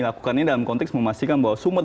lakukannya dalam konteks memastikan bahwa sumber